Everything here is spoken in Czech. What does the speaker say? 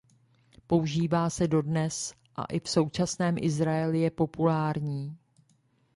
Používá se dodnes a i v současném Izraeli je populární.